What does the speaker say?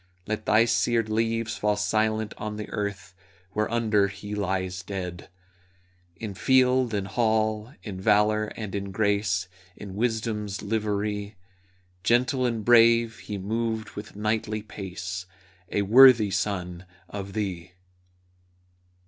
Let thy seared leaves fall silent on the earth Whereunder he lies dead! In field and hall, in valor and in grace, In wisdom's livery, Gentle and brave, he moved with knightly pace, A worthy son of thee!